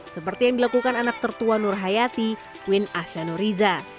seperti yang dilakukan anak tertua nurhayati queen asya nuriza